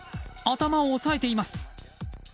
頭を押さえています。